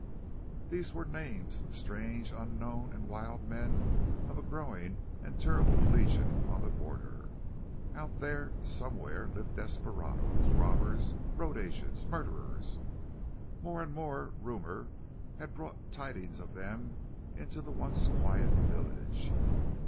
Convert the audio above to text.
These were names of strange, unknown, and wild men of a growing and terrible legion on the border. Out there, somewhere, lived desperados, robbers, road agents, murderers. More and more rumor had brought tidings of them into the once quiet village.